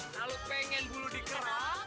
kalau pengen bulu dikerok